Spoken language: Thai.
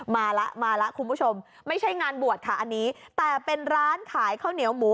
มาแล้วมาแล้วคุณผู้ชมไม่ใช่งานบวชค่ะอันนี้แต่เป็นร้านขายข้าวเหนียวหมู